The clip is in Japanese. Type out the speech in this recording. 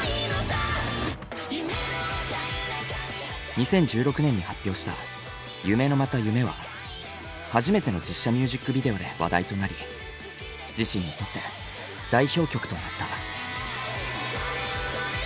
２０１６年に発表した「夢のまた夢」は初めての実写ミュージックビデオで話題となり自身にとって代表曲となった。